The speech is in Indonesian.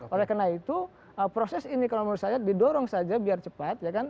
oleh karena itu proses ini kalau menurut saya didorong saja biar cepat ya kan